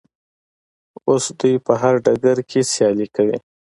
اوس دوی په هر ډګر کې سیالي کوي.